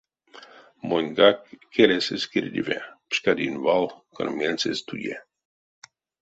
Моньгак келесь эзь кирдеве, пшкадинь вал, кона мельс эзь туе.